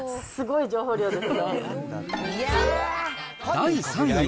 第３位。